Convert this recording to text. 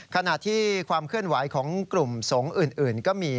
ขณะที่ความเคลื่อนไหวของกลุ่มสงฆ์อื่นก็มี